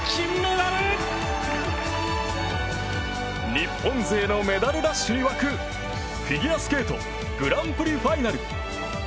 日本勢のメダルラッシュに沸くフィギュアスケートグランプリファイナル。